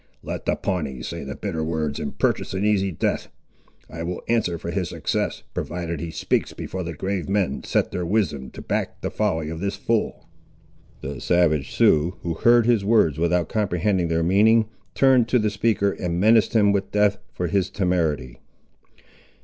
Let the Pawnee say the bitter words and purchase an easy death. I will answer for his success, provided he speaks before the grave men set their wisdom to back the folly of this fool." The savage Sioux, who heard his words without comprehending their meaning, turned to the speaker and menaced him with death, for his temerity.